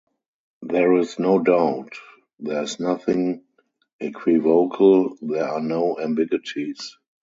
There is no doubt, there is nothing equivocal, there are no ambiguities.